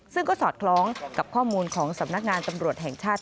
ซึ่งก็สอดคล้องกับข้อมูลของสำนักงานตำรวจแห่งชาติ